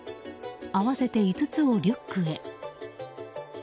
合わせて５つをリュックへ。